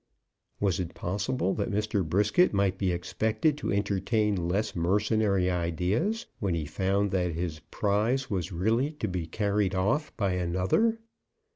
Was it possible that Mr. Brisket might be expected to entertain less mercenary ideas when he found that his prize was really to be carried off by another?